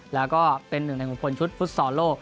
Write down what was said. แล้วก็เป็นหนึ่งในบุคคลชุดฟุตซอลโลก